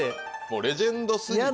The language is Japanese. レジェンド過ぎて。